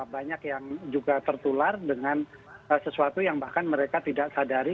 banyak yang juga tertular dengan sesuatu yang bahkan mereka tidak sadari